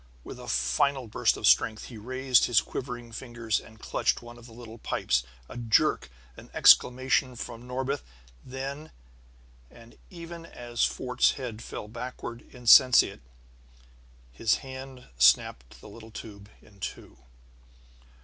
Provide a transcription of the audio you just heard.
With a final burst of strength he raised his quivering fingers and clutched one of the little pipes. A jerk, an exclamation from Norbith; and then, even as Fort's head fell back insensate, his hand snapped the little tube in two.